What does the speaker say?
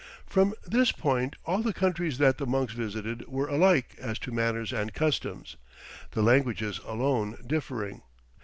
From this point all the countries that the monks visited were alike as to manners and customs, the languages alone differing.